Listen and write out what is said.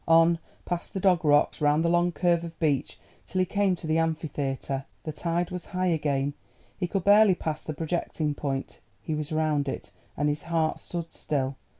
On, past the Dog Rocks, round the long curve of beach till he came to the Amphitheatre. The tide was high again; he could barely pass the projecting point. He was round it, and his heart stood still.